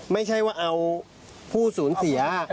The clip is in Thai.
ไม่ใช่ว่าเอาผู้สูญเสีย